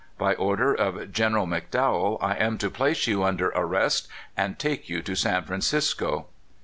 By order of Gen. Mc Dowell, I am to place you under arrest, and take you to San Francisco."